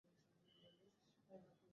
উত্তর তিব্বতীয় ঢালু গড়ে এর ও বেশি।